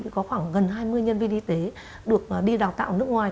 có khoảng gần hai mươi nhân viên y tế được đi đào tạo nước ngoài